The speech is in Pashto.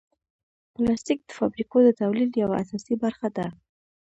پلاستيک د فابریکو د تولید یوه اساسي برخه ده.